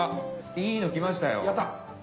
いいの来ました。